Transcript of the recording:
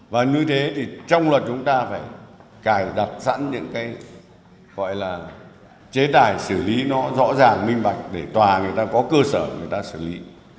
và như thế thì trong luật chúng ta phải cài đặt sẵn những cái gọi là chế tài xử lý nó rõ ràng minh bạch để tòa người ta có cơ sở người ta xử lý